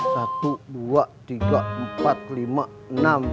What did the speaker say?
satu dua tiga empat lima enam